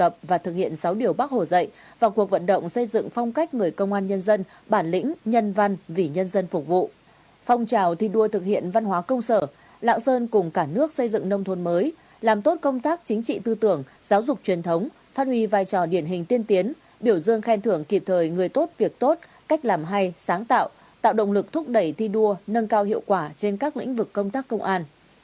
phong trào thi đua thực hiện văn hóa công sở lãng sơn cùng cả nước xây dựng nông thôn mới làm tốt công tác chính trị tư tưởng giáo dục truyền thống phát huy vai trò điển hình tiên tiến biểu dương khen thưởng kịp thời người tốt việc tốt cách làm hay sáng tạo tạo động lực thúc đẩy thi đua nâng cao hiệu quả trên các lĩnh vực công tác công an